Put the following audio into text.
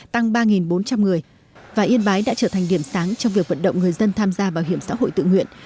tăng ba bốn trăm linh người và yên bái đã trở thành điểm sáng trong việc vận động người dân tham gia bảo hiểm xã hội tự nguyện